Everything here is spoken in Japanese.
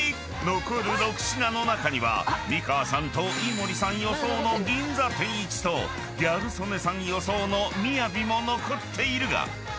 ［残る６品の中には美川さんと井森さん予想の銀座天一とギャル曽根さん予想の雅も残っているが］